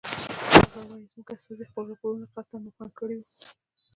هغه وایي زموږ استازي خپل راپورونه قصداً مبهم کړی وو.